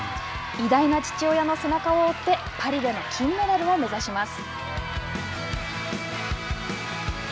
偉大な父親の背中を追ってパリでの金メダルを目指します。